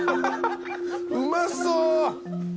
うまそう！